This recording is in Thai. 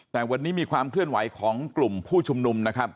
แต่วันนี้มีความเคลื่อนไหวของกลุ่มผู้ชุมนุมนะครับ